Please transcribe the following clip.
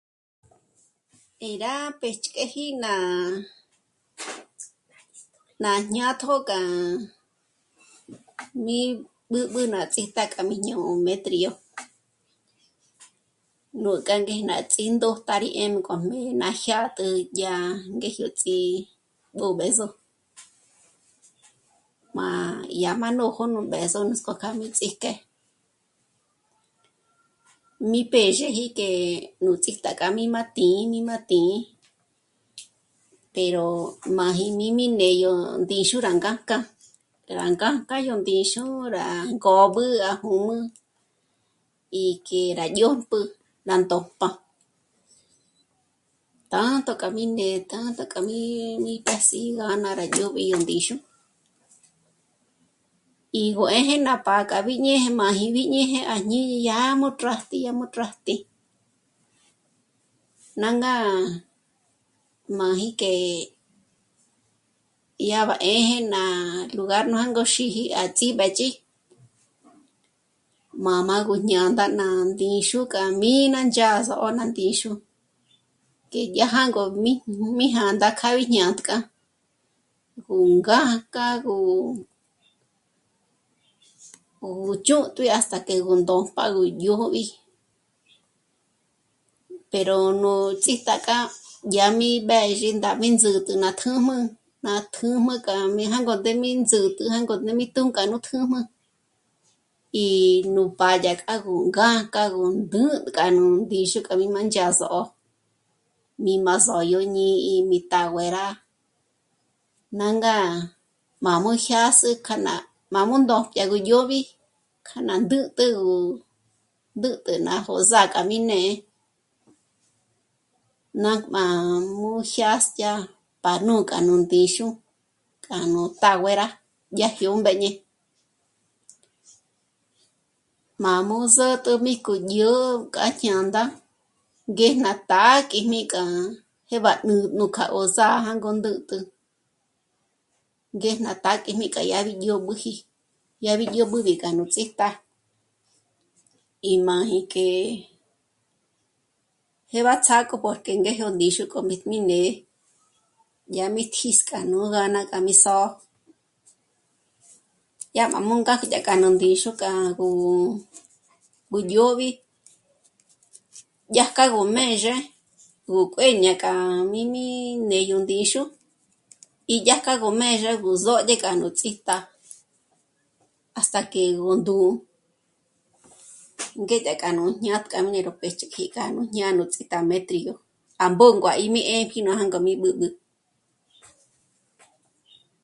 Eh... rá péch'k'eji ná... ná jñátjo k'a rá ní'i b'ǚb'ü ná ts'í k'a rí ñǒ'o Méjtrio. Nújka ngé ná ts'índo tá rí 'énk'om'e m'a jyä̀tü rá ngéjyo ts'í b'òb'ë̌zo, m'a dya má nójo nú b'ë̌zo nuts'k'ó kja mi ts'íjke, mí pězheji que... nú ts'íjta k'a rí má tī́'i ní má tí'i pero... m'a ji mī́m'i ndé yó ndíxu rá ngájka, rá ngájka yó ndíxu rá ngôb'ü rá jûmü y que rá yó'pjü ná ndójp'a. Tanto kja mí né'e tanto k'a mí né'e mí pés'i ngá ná rá dyóbi yó ndíxu y gó 'ḗjē ná pá' kja bi ñéje mâji ñéje à jñíni yá m'ô'o rájti yá m'ô'o rájti, nânga máji que dyá ba 'ë́jë ná lugar jângo xîji à Ts'íbë́jchi, jmā̌m'ā gú jñā̌ndā ná ndíxu k'a rá mí' nándzhá ná zò'o ná ndíxu que dya jângo mí, mí jā̌ndā kjâ'a bi jnā̌ndtk'a, gú ngâjk'agö ó chǘ'jtü hasta que gú ndómp'a gó ndzhód'obi pero nú ts'ijtak'a dya mí mbézhi mí ndzǚt'ü ná tǘjmü, ná tǘjmü k'a mí jângotje mí ndzǚt'ü jângó'mé mi t'ǘnk'ü ngá nú tjǘm'ü y nú pádya k'a gú ngáj k'a gó 'jä́'ä k'a nú ndíxu kjamü mandzhâs'o, mí má só'o' ño jní'i, nú jñí'i mí tá güera, nânga m'a mo jyâsü kja ma m'a mu ndòjpja nú dyóbi kja na ndǚtü gú ndǚtü ná jó'o s'âka mí né'e, nájma gú jyàstya pa nú k'a nú ndíxu k'a nú tá güera, yá jyómbéñe. M'a mú zǘt'ü mbíjko dyó'o k'a jñā̌ndā ngéj ná tá kjíjmi k'a jë'b'a nú k'a o zá'a jângó ndǘtü, ngé ná tak'i kja dya gí me'b'e ngúbüji, dya mí ngúbuji k'a nú ts'íjp'a y máji que jé'bats'á porque ngé nú ndíxu k'o míjm'i né'e, dya mi tísk'a nú ganas k'a mí só'o dya m'a mbókja dyajka nú ndíxu k'a gó gú dyóbi dyájka gú mězhe gú kuéñe k'a jmī́m'i mé'e yó ndíxu y dyájka gú mězhe ya só'o ngé k'a nú tsíjpá hasta que gú ndú'u, ngé ka dya nú ñyajka m'e ró péch'eji ya k'a nu ñá'a nú tsíjtam'e Méjtrio à Bongo à mi m'é'e kí rá jângo kja mí b'ǚb'ü